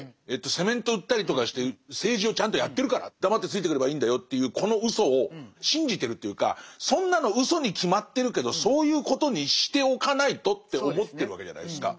セメント売ったりとかして政治をちゃんとやってるから黙ってついてくればいいんだよっていうこのうそを信じてるというかそんなのうそに決まってるけどそういうことにしておかないとって思ってるわけじゃないですか。